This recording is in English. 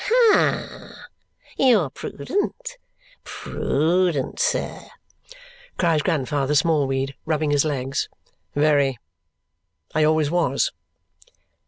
"Ha! You're prudent, prudent, sir!" cries Grandfather Smallweed, rubbing his legs. "Very. I always was."